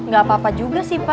gak apa apa juga sih pak